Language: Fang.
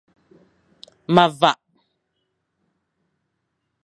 Ma vak.